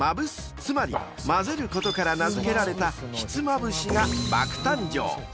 ［つまりまぜることから名付けられたひつまぶしが爆誕生］